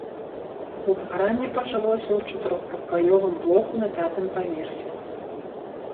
Узгаранне пачалося ў чатырохпакаёвым блоку на пятым паверсе.